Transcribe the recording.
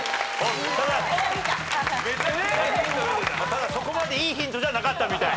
ただそこまでいいヒントじゃなかったみたい。